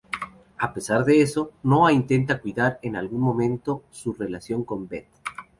A pesar de eso, Noah intenta cuidar en algún momento su relación con Beth.